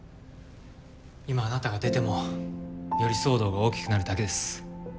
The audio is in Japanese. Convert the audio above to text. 今あなたが出てもより騒動が大きくなるだけです